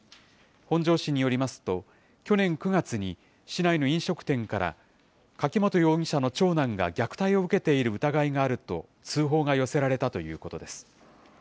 本庄市によりますと、去年９月に市内の飲食店から、柿本容疑者の長男が虐待を受けている疑いがあると通報が寄せられたということです。